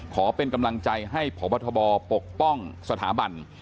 ขอเป็นกำลังใจให้พบทบปกป้องสถาบัน